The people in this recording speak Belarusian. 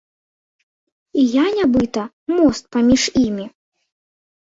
І я нібыта мост паміж імі.